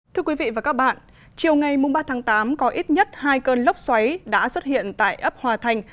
thưa quý vị và các bạn chiều ngày ba tháng tám có ít nhất hai cơn lốc xoáy đã xuất hiện tại ấp hòa thành